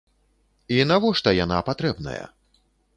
І навошта яна патрэбная?